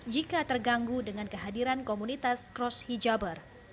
jika terganggu dengan kehadiran komunitas cross hijaber